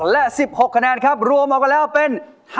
และ๑๖คะแนนครับรวมมากันแล้วเป็น